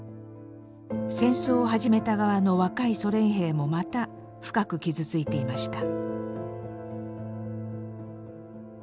戦争を始めた側の若いソ連兵もまた深く傷ついていました。